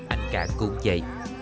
anh cảng cũng vậy